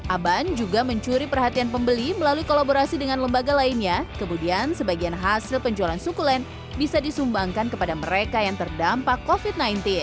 aban juga mencuri perhatian pembeli melalui kolaborasi dengan lembaga lainnya kemudian sebagian hasil penjualan sukulen bisa disumbangkan kepada mereka yang terdampak covid sembilan belas